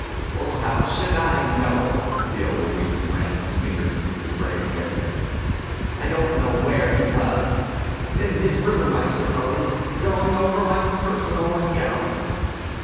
"Oh, how should I know!" The elder Weedham ran his fingers through his gray hair. "I don't know where he was. In his room, I suppose, going over my personal accounts."